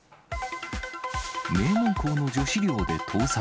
名門校の女子寮で盗撮。